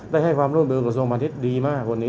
ได้ให้ความร่วมมือกับส่วนประเทศดีมาก